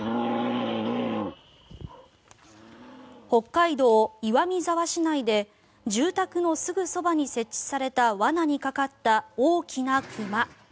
北海道岩見沢市内で住宅のすぐそばに設置された罠にかかった大きな熊。